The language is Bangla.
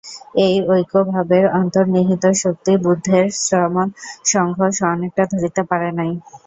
এই ঐক্যভাবের অন্তর্নিহিত শক্তি বুদ্ধের শ্রমণসঙ্ঘ অনেকটা ধরিতে পারে নাই।